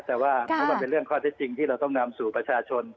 แต่ว่าเพราะมันเป็นเรื่องข้อเท็จจริงที่เราต้องนำสู่ประชาชน